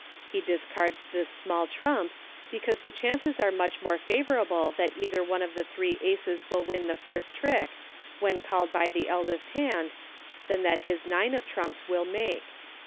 He discards this small trump because the chances are much more favorable that either one of the three Aces will win the first trick, when called by the eldest hand, than that his nine of trumps will make.